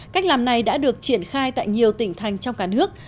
cách làm này đã được triển khai tại nhiều tỉnh thành trong cả nước